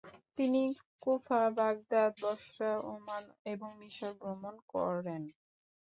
তিনি Kufa, Baghdad, Basra, Oman এবং মিশর ভ্রমণ করেন।